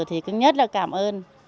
thì cứ nhất là cảm ơn